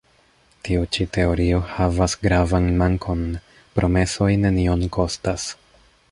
Tiu ĉi teorio havas gravan mankon: promesoj nenion kostas.